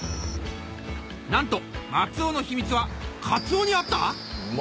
なんと松尾の秘密はカツオにあった⁉うま！